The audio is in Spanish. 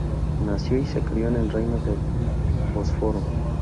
Nació y se crio en el Reino del Bósforo.